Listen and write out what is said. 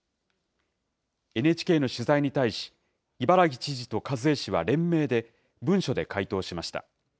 ＮＨＫの取材に対し、伊原木知事と一衛氏は連名で文書で回答しました。